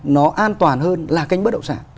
nó an toàn hơn là kênh bất động sản